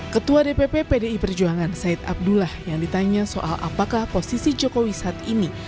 ketua dpp pdi perjuangan said abdullah yang ditanya soal apakah posisi jokowi saat ini